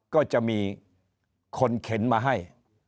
ก็จะมีคนเข็นมาให้